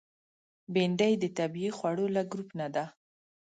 بېنډۍ د طبیعي خوړو له ګروپ نه ده